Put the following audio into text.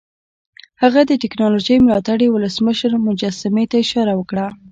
هغه د ټیکنالوژۍ ملاتړي ولسمشر مجسمې ته اشاره وکړه